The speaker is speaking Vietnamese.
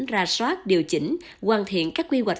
ra soát điều chỉnh hoàn thiện các quy hoạch